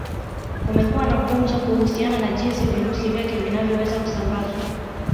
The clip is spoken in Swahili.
Kumekuwa na gumzo kuhusiana na jinsi virusi vyake vinavyoweza kusambazwa